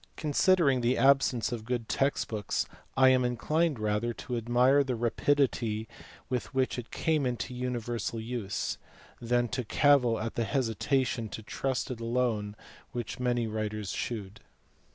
Considering the absence of good text books I am inclined rather to admire the rapidity with which it came into universal use, than to cavil at the hesitation to trust to it alone which many writers shewed.